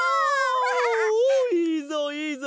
おいいぞいいぞ！